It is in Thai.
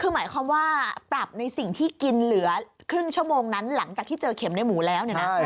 คือหมายความว่าปรับในสิ่งที่กินเหลือครึ่งชั่วโมงนั้นหลังจากที่เจอเข็มในหมูแล้วเนี่ยนะ